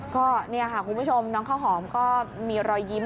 คุณผู้ชมน้องข้าวหอมก็มีรอยยิ้ม